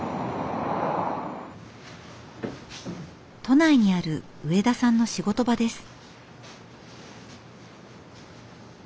都内にある植田さんの仕事場です。